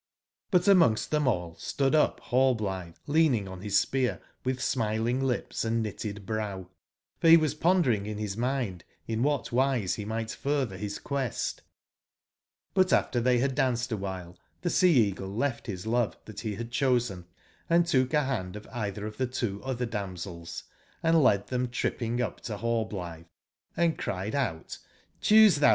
But amongst tbem all, stood up Rallblitbe leaning on bis spear witb smiling lips and knitted brow; for be was pon dering in bis mind in wbat wise bemigbt furtber bis quest J^ But after tbey bad danced a wbile tbe Sea eagle left bis love tbat be bad cbosen & took a band of eitber of tbe two otber damsels, & led tbem trip ping up to Hallblitbcand cried out: ''Cboose tbou.